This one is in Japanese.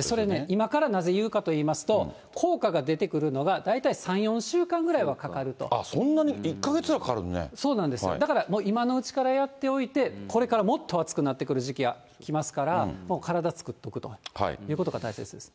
それね、今からなぜ言うかといいますと、効果が出てくるのがあっ、そんなに１か月くらいそうなんです、だからもう今のうちからやっておいて、これからもっと暑くなってくる時期が来ますから、体つくっておくということが大切です。